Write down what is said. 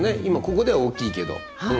今ここでは大きいけど。